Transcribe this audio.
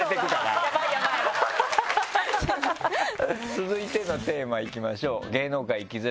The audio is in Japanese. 続いてのテーマいきましょう。